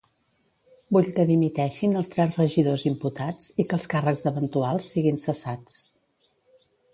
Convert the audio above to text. Vull que dimiteixin els tres regidors imputats i que els càrrecs eventuals siguin cessats.